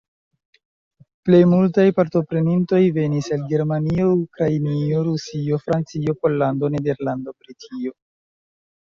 Plej multaj partoprenintoj venis el Germanio, Ukrainio, Rusio, Francio, Pollando, Nederlando, Britio.